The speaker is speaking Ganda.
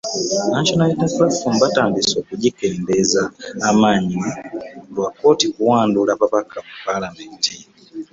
National Unity Platform batandise okugikendeeza amaanyi lwa kkooti kuwandula babaka mu Paalamenti.